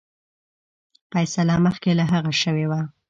فیصله مخکي له هغه شوې وه.